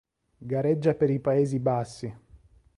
Gareggia per i Paesi Bassi.